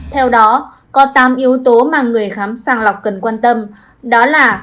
theo đó có tám yếu tố mà người khám sàng lọc cần quan tâm đó là